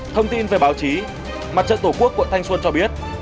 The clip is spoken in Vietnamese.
thông tin về báo chí mặt trận tổ quốc quận thanh xuân cho biết